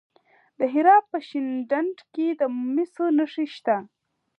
د هرات په شینډنډ کې د مسو نښې شته.